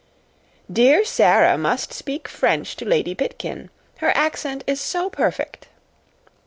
"'Dear Sara must speak French to Lady Pitkin. Her accent is so perfect.'